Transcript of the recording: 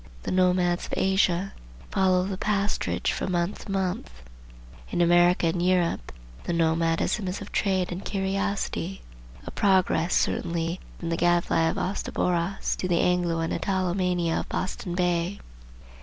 The nomads of Asia follow the pasturage from month to month. In America and Europe the nomadism is of trade and curiosity; a progress, certainly, from the gad fly of Astaboras to the Anglo and Italo mania of Boston Bay.